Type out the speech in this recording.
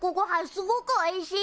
すごくおいしいよ。